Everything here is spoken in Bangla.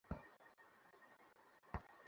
নাম বদলালে কেন?